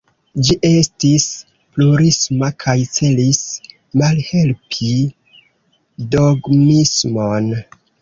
Ĝi estis plurisma kaj celis malhelpi dogmismon.